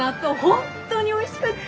本当においしくって！